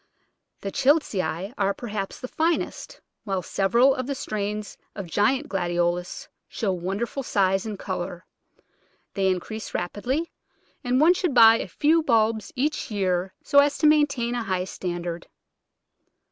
The Childsi are, per haps, the finest; while several of the strains of giant Gladiolus show wonderful size and colour. They increase rapidly, and one should buy a few bulbs each year so as to maintain a high standard.